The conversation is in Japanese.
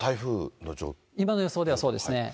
今の予想ではそうですね。